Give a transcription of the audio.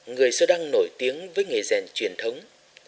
người sơ đăng nổi tiếng với nghề rèn truyền thống